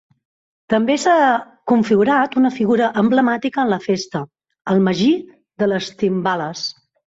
També s'ha configurat una figura emblemàtica en la festa: el Magí de les Timbales.